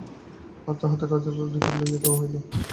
তখন তাঁহাকে রাজার নিকট লইয়া যাওয়া হইল।